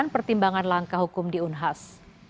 dan pertimbangan langkah hukum di unhas